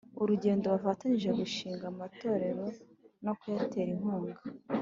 urugendo Bafatanyije gushinga amatorero no kuyatera inkunga